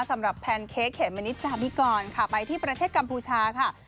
สำหรับแพนเค้กเห็นมันนิจจันทร์พี่ก้อนค่ะไปที่ประเทศกัมพูชาค่ะ